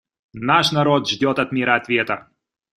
Наш народ ждет от мира ответа.